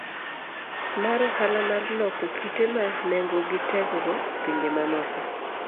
B. mar Ohala mar loko kite ma nengogi tekgo e pinje mamoko,